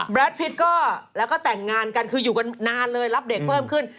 พิษก็แล้วก็แต่งงานกันคืออยู่กันนานเลยรับเด็กเพิ่มขึ้น